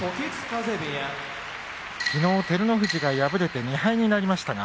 きのう照ノ富士が敗れて２敗になりました。